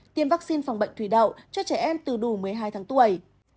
tiêm vaccine phòng bệnh thủy đậu cho trẻ em từ đủ một mươi hai tháng tuổi